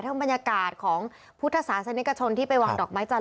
บรรยากาศของพุทธศาสนิกชนที่ไปวางดอกไม้จันท